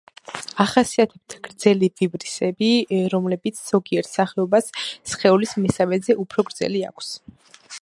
ახასიათებთ გრძელი ვიბრისები, რომლებიც ზოგიერთ სახეობას სხეულის მესამედზე უფრო გრძელი აქვს.